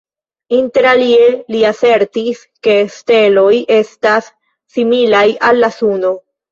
Interalie li asertis, ke steloj estas similaj al la Suno.